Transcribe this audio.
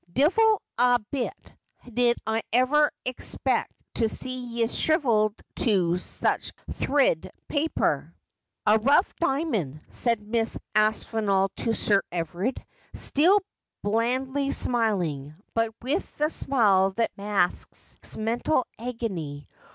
Divil a bit did I ever expect to see yez shrivelled to such a thrid paper.' ' A rough diamond,' said Mrs. Aspinall to Sir Everard, still blandly smiling, but with the smile that masks mental agony.